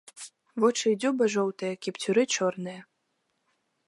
Вочы і дзюба жоўтыя, кіпцюры чорныя.